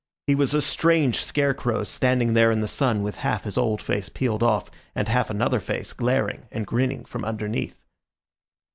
He was a strange scarecrow standing there in the sun with half his old face peeled off, and half another face glaring and grinning from underneath.